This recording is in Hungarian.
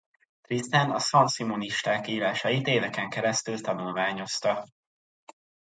Tristan a saint-simonisták írásait éveken keresztül tanulmányozta.